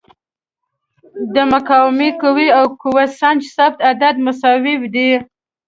د مقاومې قوې او قوه سنج ثابت عدد مساوي دي.